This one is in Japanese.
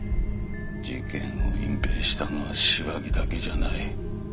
事件を隠蔽したのは芝木だけじゃない。